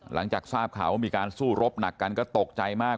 หลังจากทราบข่าวว่ามีการสู้รบหนักกันก็ตกใจมาก